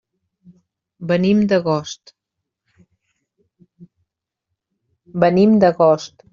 Venim d'Agost.